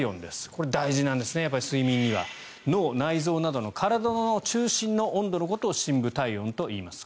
これ大事なんですね、睡眠には。脳、内臓などの体の中心の温度のことを深部体温といいます。